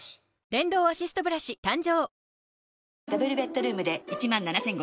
電動アシストブラシ誕生！